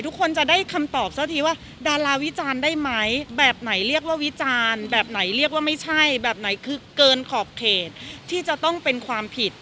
ทุกคนจะได้คำตอบซะทีว่าดาราวิจารณ์ได้ไหมแบบไหนเรียกว่าวิจารณ์แบบไหนเรียกว่าไม่ใช่แบบไหนคือเกินขอบเขตที่จะต้องเป็นความผิด